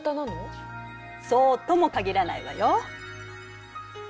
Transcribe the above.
そうとも限らないわよ。